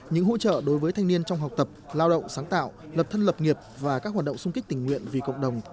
những hỗ trợ đối với thanh niên trong học tập lao động sáng tạo lập thân lập nghiệp và các hoạt động sung kích tình nguyện vì cộng đồng